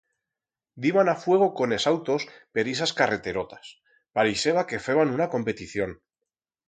Diban a fuego con es autos per ixas carreterotas, parixeba que feban una competición.